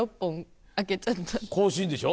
更新でしょ？